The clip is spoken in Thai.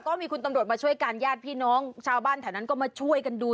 ก็มีคุณตำรวจมาช่วยกันญาติพี่น้องชาวบ้านแถวนั้นก็มาช่วยกันดู